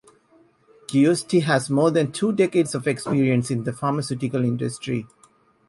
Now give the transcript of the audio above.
Giusti has more than two decades of experience in the pharmaceutical industry.